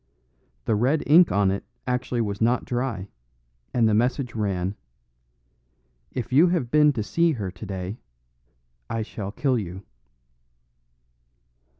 The red ink on it actually was not dry, and the message ran, "If you have been to see her today, I shall kill you."